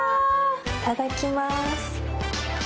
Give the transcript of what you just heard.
いただきます。